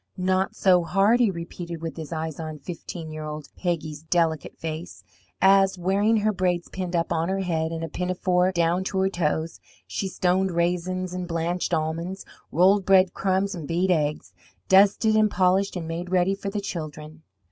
"Not so hard," he repeated, with his eyes on fifteen year old Peggy's delicate face, as, wearing her braids pinned up on her head and a pinafore down to her toes, she stoned raisins and blanched almonds, rolled bread crumbs and beat eggs, dusted and polished and made ready for the children.